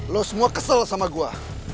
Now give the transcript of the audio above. lu semua kesel sama gua